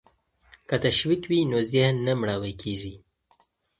که تشویق وي نو ذهن نه مړاوی کیږي.